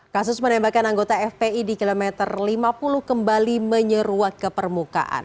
kasus penembakan anggota fpi di kilometer lima puluh kembali menyeruak ke permukaan